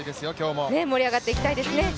盛り上がっていきたいですね。